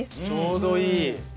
ちょうどいい。